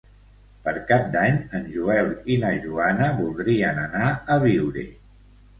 Per Cap d'Any en Joel i na Joana voldrien anar a Biure.